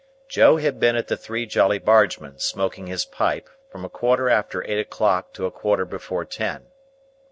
Joe had been at the Three Jolly Bargemen, smoking his pipe, from a quarter after eight o'clock to a quarter before ten.